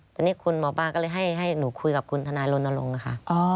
แต่นี่คุณหมอป้าก็เลยให้หนูคุยกับคุณทนายลงค่ะ